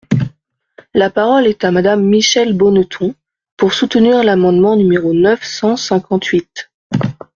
La parole est à Madame Michèle Bonneton, pour soutenir l’amendement numéro neuf cent cinquante-huit.